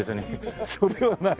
それはない？